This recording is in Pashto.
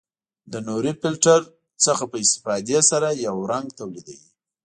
د نوري فلټر نه په استفادې سره یو رنګ تولیدوي.